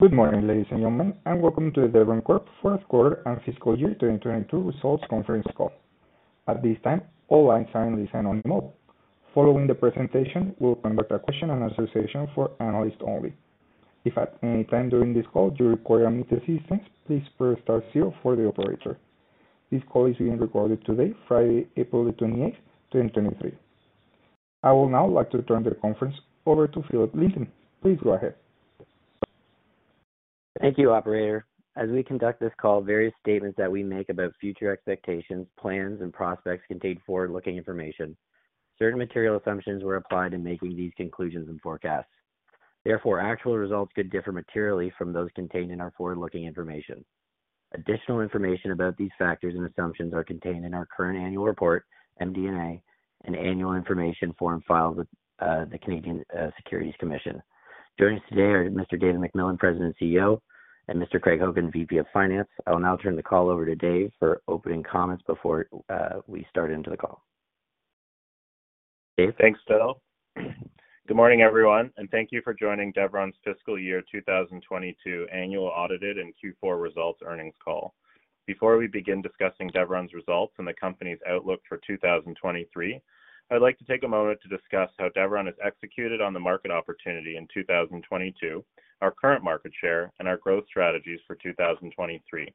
Good morning, ladies and gentlemen, and welcome to the Deveron Corp. fourth quarter and fiscal year 2022 results conference call. At this time, all lines are in listen-only mode. Following the presentation, we'll conduct a question and answer session for analysts only. If at any time during this call you require any assistance, please press star zero for the operator. This call is being recorded today, Friday, 28th April 2023. I would now like to turn the conference over to Philip Lincoln. Please go ahead. Thank you, operator. As we conduct this call, various statements that we make about future expectations, plans and prospects contain forward-looking information. Certain material assumptions were applied in making these conclusions and forecasts. Therefore, actual results could differ materially from those contained in our forward-looking information. Additional information about these factors and assumptions are contained in our current annual report, MD&A, and Annual Information Form filed with the Canadian Securities Administrators. Joining us today are Mr. David MacMillan, President and CEO, and Mr. Craig Hogan, VP of Finance. I will now turn the call over to Dave for opening comments before we start into the call. Dave? Thanks, Phil. Good morning, everyone, and thank you for joining Deveron's fiscal year 2022 annual audited and Q4 results earnings call. Before we begin discussing Deveron's results and the company's outlook for 2023, I'd like to take a moment to discuss how Deveron has executed on the market opportunity in 2022, our current market share, and our growth strategies for 2023.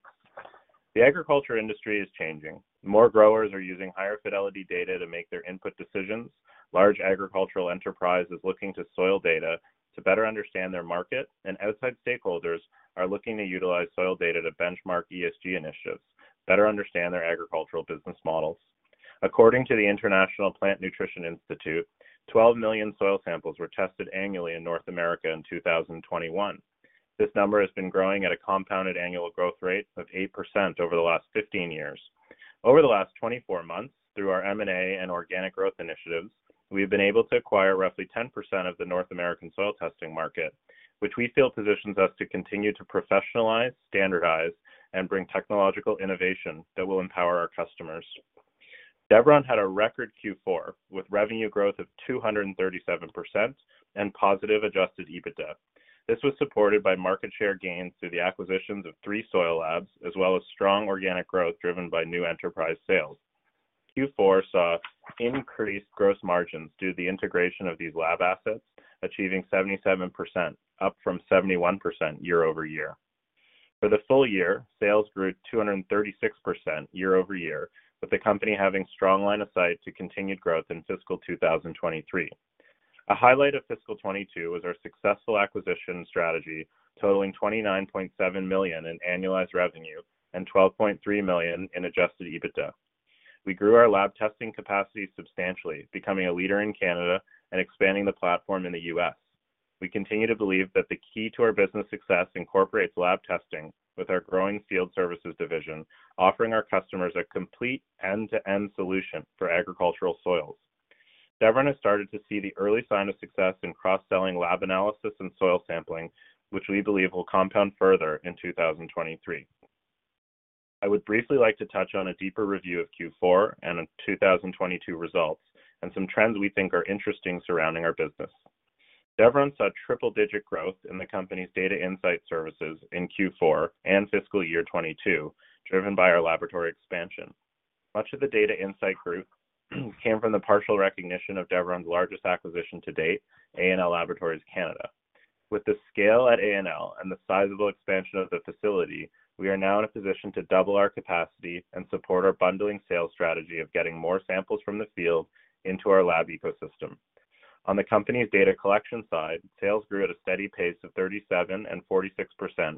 The agriculture industry is changing. More growers are using higher fidelity data to make their input decisions. Large agricultural enterprise is looking to soil data to better understand their market, and outside stakeholders are looking to utilize soil data to benchmark ESG initiatives, better understand their agricultural business models. According to the International Plant Nutrition Institute, 12 million soil samples were tested annually in North America in 2021. This number has been growing at a compounded annual growth rate of 8% over the last 15 years. Over the last 24 months, through our M&A and organic growth initiatives, we've been able to acquire roughly 10% of the North American soil testing market, which we feel positions us to continue to professionalize, standardize, and bring technological innovation that will empower our customers. Deveron had a record Q4 with revenue growth of 237% and positive adjusted EBITDA. This was supported by market share gains through the acquisitions of 3 soil labs, as well as strong organic growth driven by new enterprise sales. Q4 saw increased gross margins due to the integration of these lab assets, achieving 77%, up from 71% year-over-year. For the full year, sales grew 236% year-over-year, with the company having strong line of sight to continued growth in fiscal 2023. A highlight of fiscal 2022 was our successful acquisition strategy, totaling 29.7 million in annualized revenue and 12.3 million in adjusted EBITDA. We grew our lab testing capacity substantially, becoming a leader in Canada and expanding the platform in the U.S. We continue to believe that the key to our business success incorporates lab testing with our growing field services division, offering our customers a complete end-to-end solution for agricultural soils. Deveron has started to see the early sign of success in cross-selling lab analysis and soil sampling, which we believe will compound further in 2023. I would briefly like to touch on a deeper review of Q4 and the 2022 results and some trends we think are interesting surrounding our business. Deveron saw triple-digit growth in the company's data insight services in Q4 and fiscal year 22, driven by our laboratory expansion. Much of the data insight growth came from the partial recognition of Deveron's largest acquisition to date, A&L Canada Laboratories. With the scale at A&L and the sizable expansion of the facility, we are now in a position to double our capacity and support our bundling sales strategy of getting more samples from the field into our lab ecosystem. On the company's data collection side, sales grew at a steady pace of 37% and 46%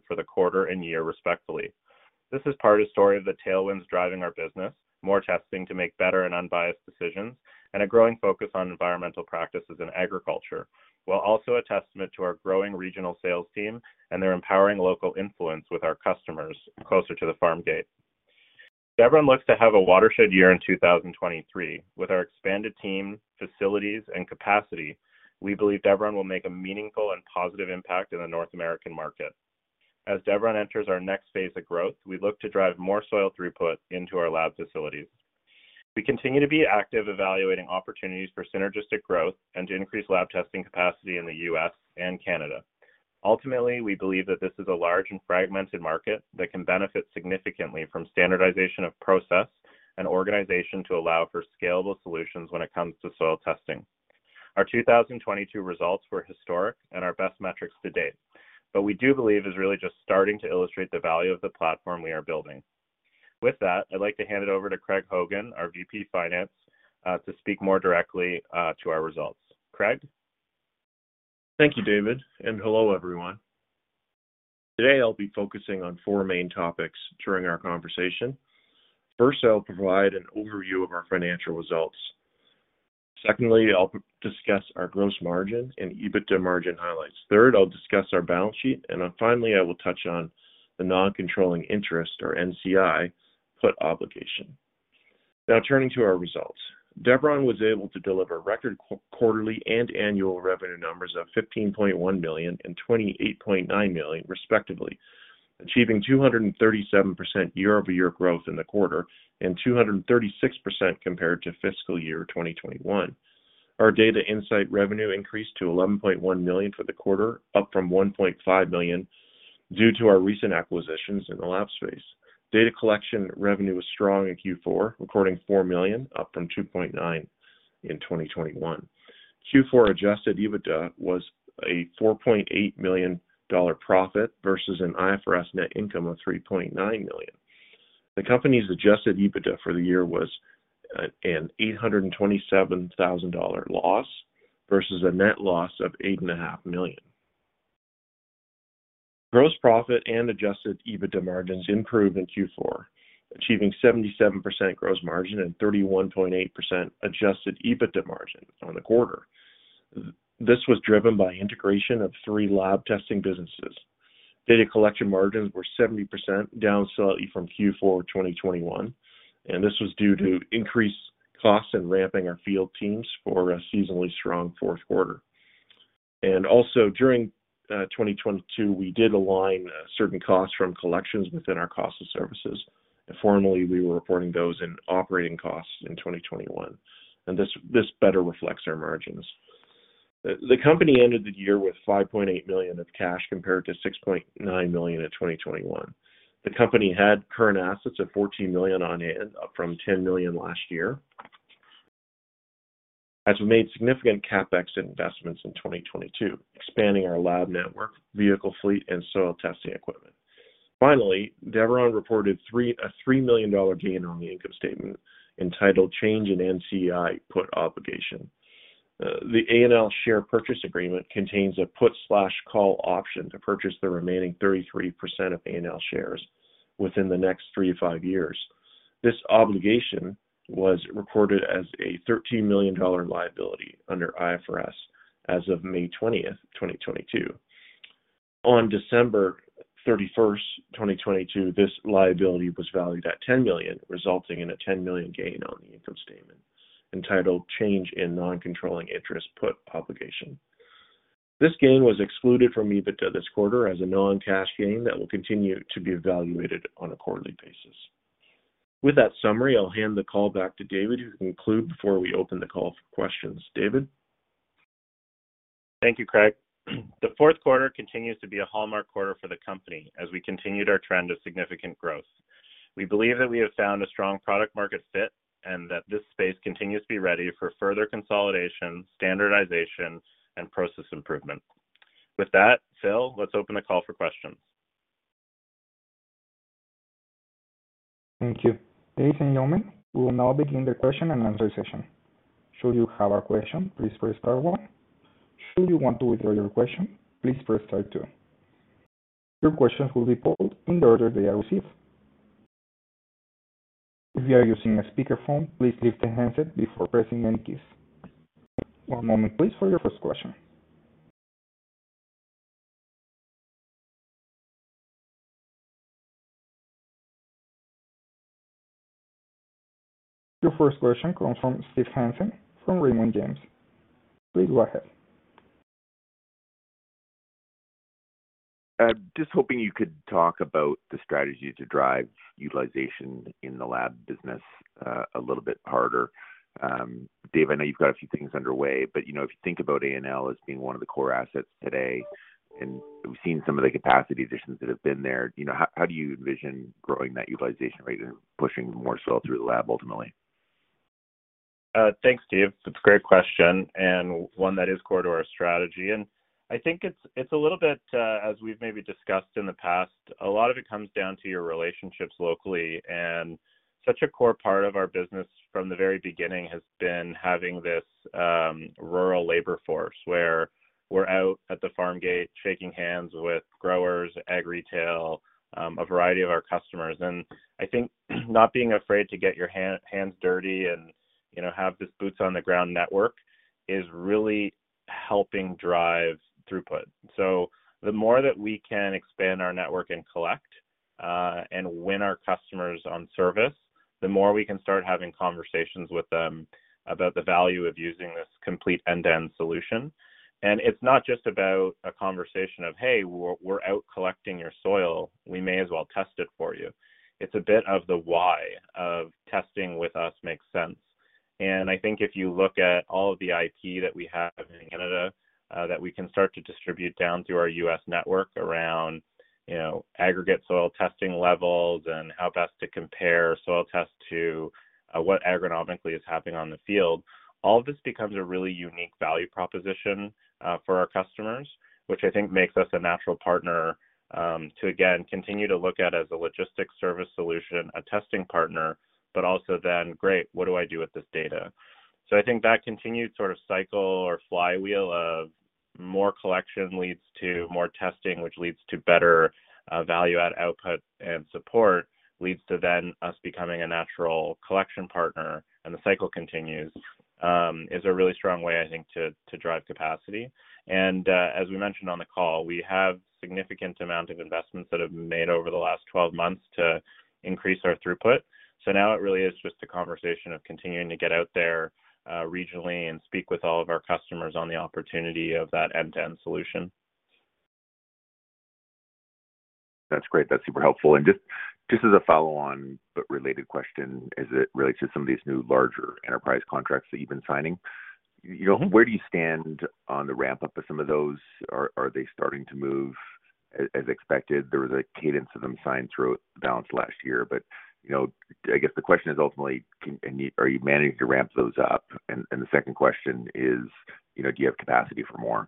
for the quarter and year respectively. This is part of story of the tailwinds driving our business, more testing to make better and unbiased decisions, and a growing focus on environmental practices in agriculture, while also a testament to our growing regional sales team and their empowering local influence with our customers closer to the farm gate. Deveron looks to have a watershed year in 2023. With our expanded team, facilities and capacity, we believe Deveron will make a meaningful and positive impact in the North American market. As Deveron enters our next phase of growth, we look to drive more soil throughput into our lab facilities. We continue to be active evaluating opportunities for synergistic growth and to increase lab testing capacity in the US and Canada. Ultimately, we believe that this is a large and fragmented market that can benefit significantly from standardization of process and organization to allow for scalable solutions when it comes to soil testing. Our 2022 results were historic and our best metrics to date. We do believe it's really just starting to illustrate the value of the platform we are building. With that, I'd like to hand it over to Craig Hogan, our VP of Finance, to speak more directly to our results. Craig? Thank you, David MacMillan, hello, everyone. Today I'll be focusing on four main topics during our conversation. First, I'll provide an overview of our financial results. Secondly, I'll discuss our gross margin and EBITDA margin highlights. Third, I'll discuss our balance sheet. Finally, I will touch on the non-controlling interest or NCI put obligation. Now turning to our results. Deveron was able to deliver record quarterly and annual revenue numbers of 15.1 million and 28.9 million, respectively. Achieving 237% year-over-year growth in the quarter and 236% compared to fiscal year 2021. Our data insight revenue increased to 11.1 million for the quarter, up from 1.5 million due to our recent acquisitions in the lab space. Data collection revenue was strong in Q4, recording 4 million, up from 2.9 million in 2021. Q4 adjusted EBITDA was a 4.8 million dollar profit versus an IFRS net income of 3.9 million. The company's adjusted EBITDA for the year was a 827,000 dollar loss versus a net loss of eight and a half million. Gross profit and adjusted EBITDA margins improved in Q4, achieving 77% gross margin and 31.8% adjusted EBITDA margin on the quarter. This was driven by integration of three lab testing businesses. data collection margins were 70%, down slightly from Q4 2021, and this was due to increased costs in ramping our field teams for a seasonally strong fourth quarter. Also during 2022, we did align certain costs from collections within our cost of services. Formerly, we were reporting those in operating costs in 2021, and this better reflects our margins. The company ended the year with 5.8 million of cash compared to 6.9 million in 2021. The company had current assets of 14 million on hand, up from 10 million last year. As we made significant CapEx investments in 2022, expanding our lab network, vehicle fleet, and soil testing equipment. Finally, Deveron reported a 3 million dollar gain on the income statement entitled Change in NCI Put Obligation. The A&L share purchase agreement contains a put/call option to purchase the remaining 33% of A&L shares within the next three to five years. This obligation was recorded as a 13 million dollar liability under IFRS as of 20th May 2022. On 31st December 2022, this liability was valued at 10 million, resulting in a 10 million gain on the income statement, entitled Change in Non-Controlling Interest Put Obligation. This gain was excluded from EBITDA this quarter as a non-cash gain that will continue to be evaluated on a quarterly basis. With that summary, I'll hand the call back to David, who can conclude before we open the call for questions. David? Thank you, Craig. The fourth quarter continues to be a hallmark quarter for the company as we continued our trend of significant growth. We believe that we have found a strong product market fit and that this space continues to be ready for further consolidation, standardization, and process improvement. Phil, let's open the call for questions. Thank you. Ladies and gentlemen, we will now begin the question and answer session. Should you have a question, please press star one. Should you want to withdraw your question, please press star two. Your questions will be pulled in the order they are received. If you are using a speakerphone, please lift the handset before pressing any keys. One moment, please, for your first question. Your first question comes from Steve Hansen from Raymond James. Please go ahead. I'm just hoping you could talk about the strategy to drive utilization in the lab business a little bit harder. Dave, I know you've got a few things underway, but if you think about A&L as being one of the core assets today, and we've seen some of the capacity additions that have been there. You know, how do you envision growing that utilization rate and pushing more soil through the lab ultimately? Thanks, Steve. That's a great question and one that is core to our strategy. I think it's a little bit, as we've maybe discussed in the past, a lot of it comes down to your relationships locally. Such a core part of our business from the very beginning has been having this rural labor force where we're out at the farm gate shaking hands with growers, ag retail, a variety of our customers. I think not being afraid to get your hands dirty and have this boots-on-the-ground network is really helping drive throughput. The more that we can expand our network and collect and win our customers on service, the more we can start having conversations with them about the value of using this complete end-to-end solution. It's not just about a conversation of, "Hey, we're out collecting your soil. We may as well test it for you." It's a bit of the why of testing with us makes sense. I think if you look at all of the IT that we have in Canada, that we can start to distribute down through our U.S. network around, you know, aggregate soil testing levels and how best to compare soil tests to what agronomically is happening on the field. All of this becomes a really unique value proposition for our customers, which I think makes us a natural partner to again, continue to look at as a logistics service solution, a testing partner, but also then, great, what do I do with this data? I think that continued sort of cycle or flywheel of more collection leads to more testing, which leads to better, value add output and support, leads to then us becoming a natural collection partner, and the cycle continues, is a really strong way, I think, to drive capacity. As we mentioned on the call, we have significant amount of investments that have been made over the last twelve months to increase our throughput. Now it really is just a conversation of continuing to get out there, regionally and speak with all of our customers on the opportunity of that end-to-end solution. That's great. That's super helpful. Just as a follow on but related question as it relates to some of these new larger enterprise contracts that you've been signing. You know, where do you stand on the ramp-up of some of those? Are they starting to move as expected? There was a cadence of them signed throughout the balance last year. You know, I guess the question is ultimately, are you managing to ramp those up? The second question is, do you have capacity for more?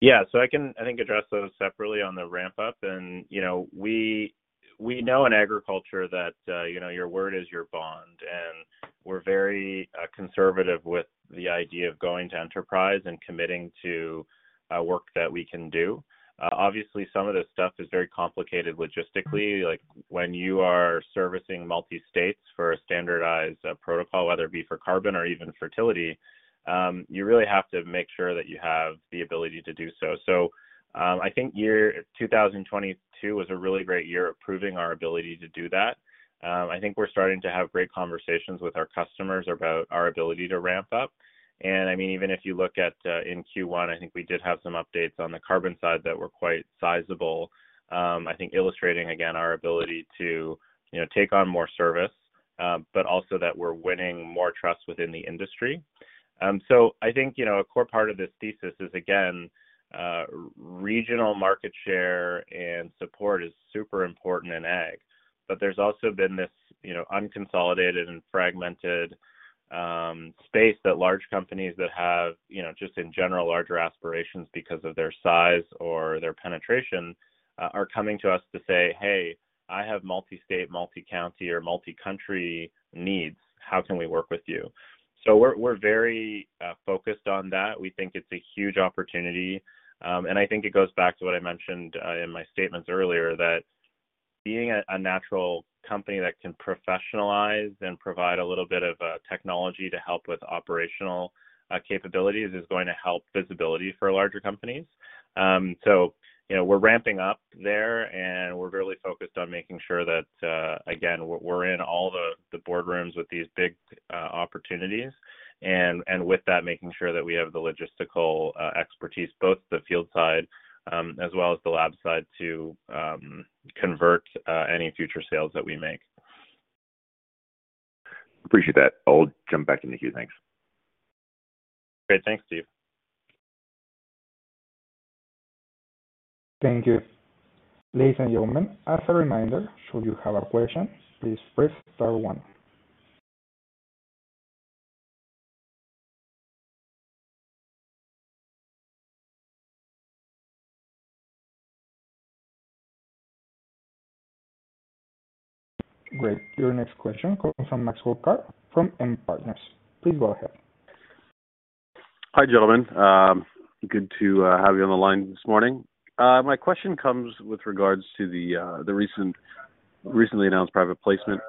Yeah. I can, I think, address those separately on the ramp up. You know, we know in agriculture that, you know, your word is your bond, and we're very conservative with the idea of going to enterprise and committing to work that we can do. Obviously some of this stuff is very complicated logistically. Like when you are servicing multi-states for a standardized protocol, whether it be for carbon or even fertility, you really have to make sure that you have the ability to do so. I think year 2022 was a really great year of proving our ability to do that. I think we're starting to have great conversations with our customers about our ability to ramp up. I mean, even if you look at in Q1, I think we did have some updates on the carbon side that were quite sizable. I think illustrating again our ability to, you know, take on more service, but also that we're winning more trust within the industry. I think, you know, a core part of this thesis is again, regional market share and support is super important in ag. There's also been this unconsolidated and fragmented space that large companies that have just in general larger aspirations because of their size or their penetration, are coming to us to say, "Hey, I have multi-state, multi-county or multi-country needs. How can we work with you?" We're very focused on that. We think it's a huge opportunity. I think it goes back to what I mentioned in my statements earlier that being a natural company that can professionalize and provide a little bit of technology to help with operational capabilities is going to help visibility for larger companies. You know, we're ramping up there, and we're really focused on making sure that again, we're in all the boardrooms with these big opportunities. With that making sure that we have the logistical expertise, both the field side, as well as the lab side to convert any future sales that we make. Appreciate that. I'll jump back in the queue. Thanks. Great. Thanks, Steve. Thank you. Ladies and gentlemen, as a reminder, should you have a question, please press star one. Great. Your next question comes from Maxwell Carr from M Partners. Please go ahead. Hi, gentlemen. Good to have you on the line this morning. My question comes with regards to the recently announced private placement.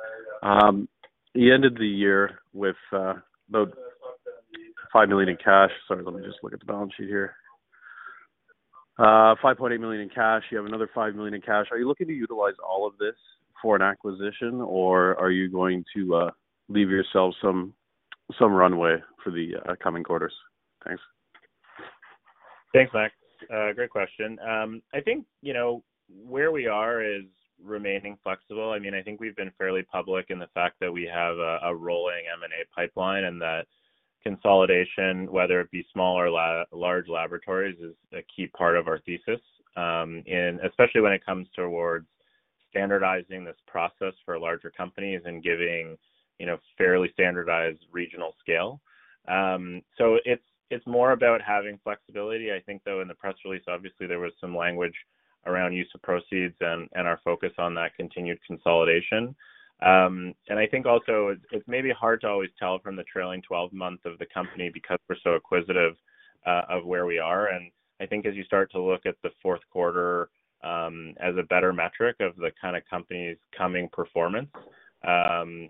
You ended the year with about 5 million in cash. Sorry, let me just look at the balance sheet here. 5.8 million in cash. You have another 5 million in cash. Are you looking to utilize all of this for an acquisition, or are you going to leave yourselves some runway for the coming quarters? Thanks. Thanks, Max. Great question. I think, you know, where we are is remaining flexible. I mean, I think we've been fairly public in the fact that we have a rolling M&A pipeline and that consolidation, whether it be small or large laboratories, is a key part of our thesis. Especially when it comes towards standardizing this process for larger companies and giving, fairly standardized regional scale. It's more about having flexibility. I think though in the press release obviously there was some language around use of proceeds and our focus on that continued consolidation. I think also it's maybe hard to always tell from the trailing 12 months of the company because we're so acquisitive of where we are. I think as you start to look at the fourth quarter, as a better metric of the kind of company's coming performance,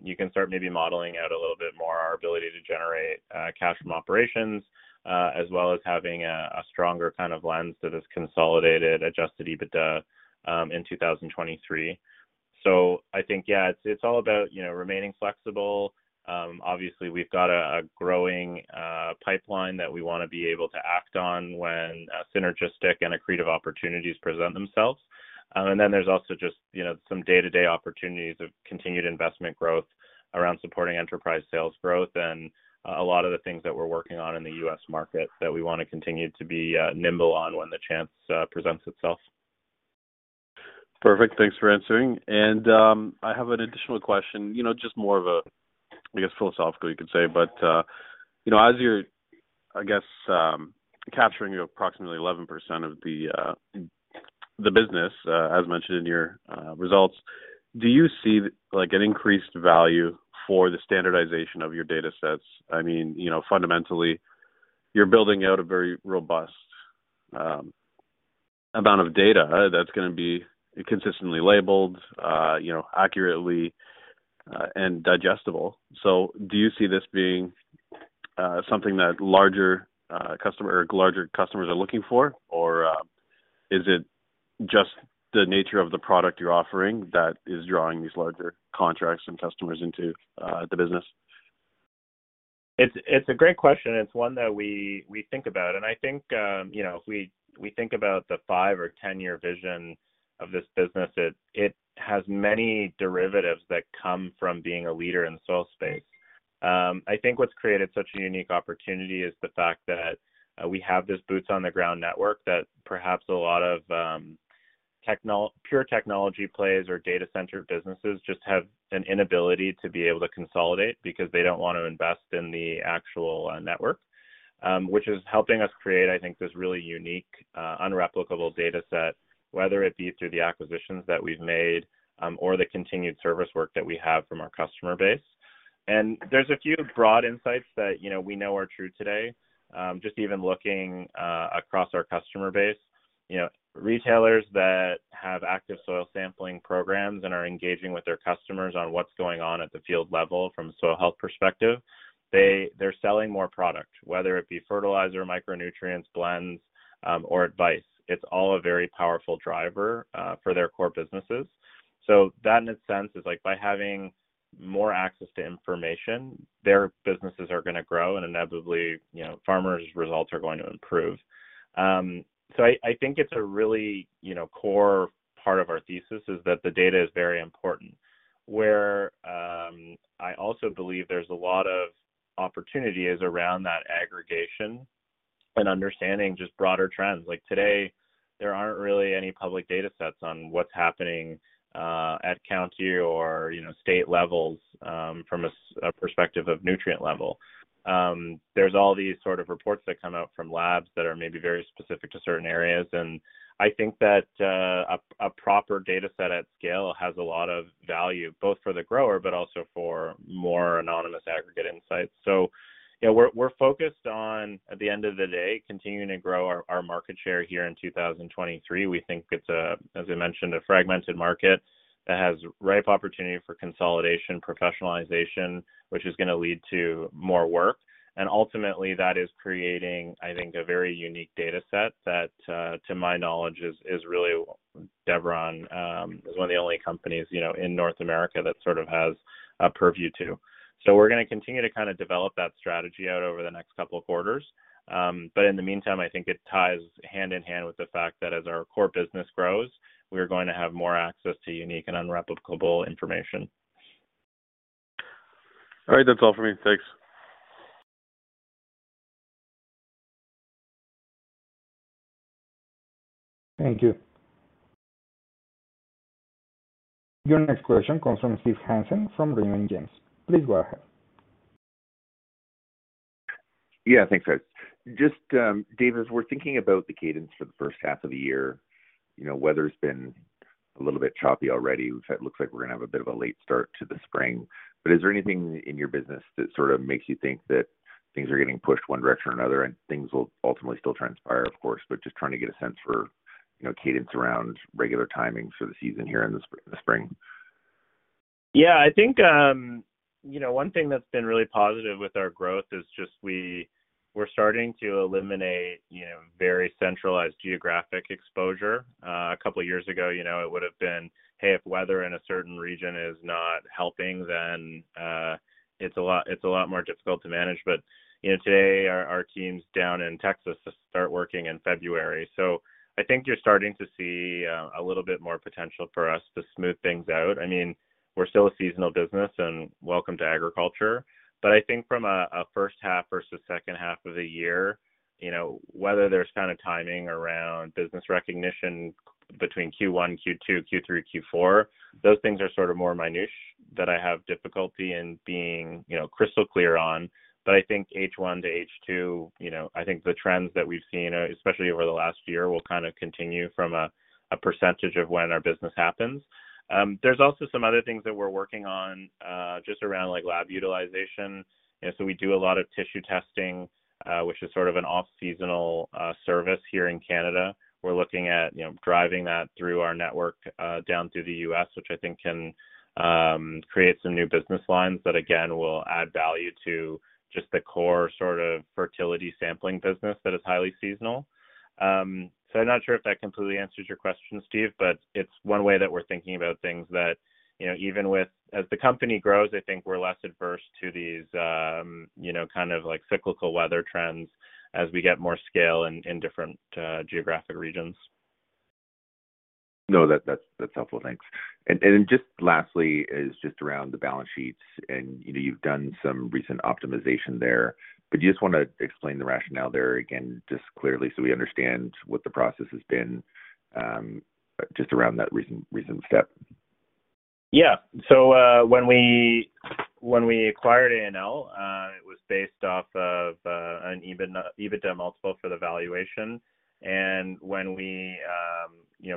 you can start maybe modeling out a little bit more our ability to generate cash from operations, as well as having a stronger kind of lens to this consolidated adjusted EBITDA in 2023. I think, yeah, it's all about, you know, remaining flexible. Obviously we've got a growing pipeline that we wanna be able to act on when synergistic and accretive opportunities present themselves. There's also just, you know, some day-to-day opportunities of continued investment growth around supporting enterprise sales growth and, a lot of the things that we're working on in the U.S. market that we wanna continue to be nimble on when the chance presents itself. Perfect. Thanks for answering. I have an additional question. You know, just more of a, I guess, philosophical you could say. You know, as you're, I guess, capturing approximately 11% of the business, as mentioned in your results, do you see like an increased value for the standardization of your datasets? I mean, fundamentally you're building out a very robust amount of data that's gonna be consistently labeled, accurately, and digestible. Do you see this being something that larger customer or larger customers are looking for? Or is it just the nature of the product you're offering that is drawing these larger contracts and customers into the business? It's a great question. It's one that we think about. I think, you know, if we think about the five or ten-year vision of this business, it has many derivatives that come from being a leader in soil space. I think what's created such a unique opportunity is the fact that we have this boots on the ground network that perhaps a lot of pure technology plays or data center businesses just have an inability to be able to consolidate because they don't want to invest in the actual network, which is helping us create, I think, this really unique, unreplicable data set, whether it be through the acquisitions that we've made, or the continued service work that we have from our customer base. There's a few broad insights that, we know are true today, just even looking across our customer base. You know, retailers that have active soil sampling programs and are engaging with their customers on what's going on at the field level from a soil health perspective, they're selling more product, whether it be fertilizer, micronutrients, blends, or advice. It's all a very powerful driver for their core businesses. That in a sense is like by having more access to information, their businesses are gonna grow and inevitably, farmers' results are going to improve. I think it's a really core part of our thesis is that the data is very important. Where, I also believe there's a lot of opportunity is around that aggregation and understanding just broader trends. Like, today, there aren't really any public data sets on what's happening, at county or state levels, from a perspective of nutrient level. There's all these sort of reports that come out from labs that are maybe very specific to certain areas. I think that, a proper data set at scale has a lot of value, both for the grower, but also for more anonymous aggregate insights. You know, we're focused on, at the end of the day, continuing to grow our market share here in 2023. We think it's a, as I mentioned, a fragmented market that has ripe opportunity for consolidation, professionalization, which is gonna lead to more work. Ultimately, that is creating, I think, a very unique data set that, to my knowledge is really Deveron, is one of the only companies, you know, in North America that sort of has a purview to. We're gonna continue to kinda develop that strategy out over the next couple of quarters. In the meantime, I think it ties hand in hand with the fact that as our core business grows, we are going to have more access to unique and unreplicable information. All right. That's all for me. Thanks. Thank you. Your next question comes from Steve Hansen from Raymond James. Please go ahead. Yeah. Thanks, guys. Just, Dave, as we're thinking about the cadence for the first half of the year weather's been a little bit choppy already. In fact it looks like we're gonna have a bit of a late start to the spring. Is there anything in your business that sort of makes you think that things are getting pushed one direction or another and things will ultimately still transpire, of course, but just trying to get a sense for, you know, cadence around regular timing for the season here in the spring? I think, one thing that's been really positive with our growth is just we're starting to eliminate, you know, very centralized geographic exposure. A couple of years ago, it would have been, hey, if weather in a certain region is not helping, then it's a lot more difficult to manage. You know, today our teams down in Texas start working in February. I think you're starting to see a little bit more potential for us to smooth things out. I mean, we're still a seasonal business and welcome to agriculture. I think from a first half versus second half of the year,, whether there's kind of timing around business recognition between Q1, Q2, Q3, Q4, those things are sort of more minute that I have difficulty in being, crystal clear on. I think H1 to H2, I think the trends that we've seen, especially over the last year, will kind of continue from a percentage of when our business happens. There's also some other things that we're working on, just around like lab utilization. You know, so we do a lot of tissue testing, which is sort of an off-seasonal service here in Canada. We're looking at, driving that through our network, down through the U.S., which I think can create some new business lines that again, will add value to just the core sort of fertility sampling business that is highly seasonal. I'm not sure if that completely answers your question, Steve, but it's one way that we're thinking about things that, as the company grows, I think we're less adverse to these, kind of like cyclical weather trends as we get more scale in different geographic regions. No. That's helpful. Thanks. Just lastly is just around the balance sheets and, you've done some recent optimization there. Do you just wanna explain the rationale there again, just clearly so we understand what the process has been, just around that recent step? Yeah. When we acquired A&L, it was based off of an EBITDA multiple for the valuation. When we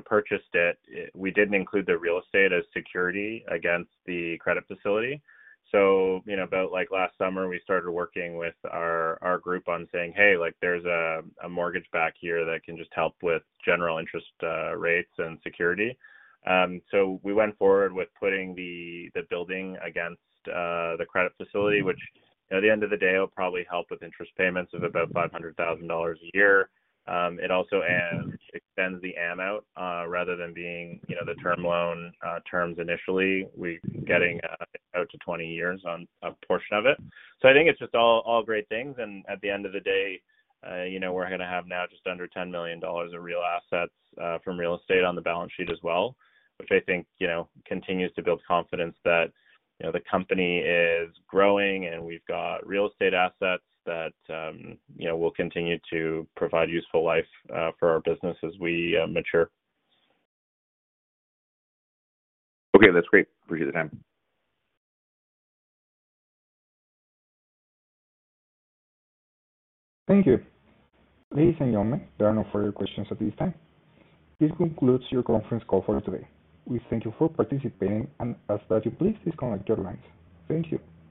purchased it, we didn't include the real estate as security against the credit facility. You know, about like last summer, we started working with our group on saying, "Hey, like, there's a mortgage back here that can just help with general interest rates and security." We went forward with putting the building against the credit facility, which, at the end of the day, will probably help with interest payments of about 500,000 dollars a year. It also extends the am out, rather than being, the term loan terms initially. We're getting out to 20 years on a portion of it. I think it's just all great things. At the end of the day, we're gonna have now just under 10 million dollars of real assets, from real estate on the balance sheet as well, which I think continues to build confidence that the company is growing and we've got real estate assets that will continue to provide useful life, for our business as we mature. Okay. That's great. Appreciate the time. Thank you. Ladies and gentlemen, there are no further questions at this time. This concludes your conference call for today. We thank you for participating and ask that you please disconnect your lines. Thank you.